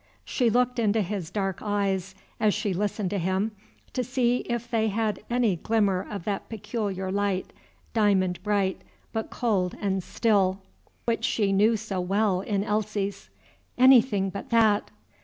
She looked into his dark eyes, as she listened to him, to see if they had any glimmer of that peculiar light, diamond bright, but cold and still, which she knew so well in Elsie's. Anything but that!